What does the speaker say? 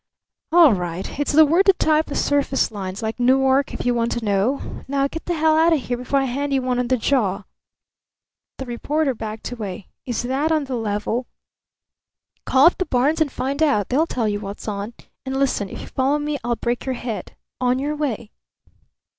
"All right. It's the word to tie up the surface lines, like Newark, if you want to know. Now, get t' hell out o' here before I hand you one on the jaw!" The reporter backed away. "Is that on the level?" "Call up the barns and find out. They'll tell you what's on. And listen, if you follow me, I'll break your head. On your way!"